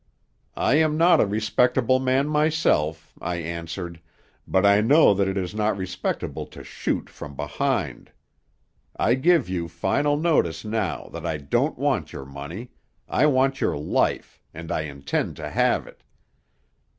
"'I am not a respectable man myself,' I answered, 'but I know that it is not respectable to shoot from behind. I give you final notice now that I don't want your money; I want your life, and I intend to have it.